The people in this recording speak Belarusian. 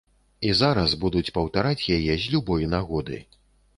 І зараз будуць паўтараць яе з любой нагоды.